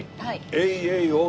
「エイエイオー！」